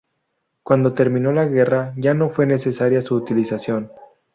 Cuando terminó la guerra ya no fue necesaria su utilización.